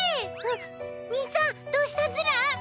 兄ちゃんどうしたズラ！？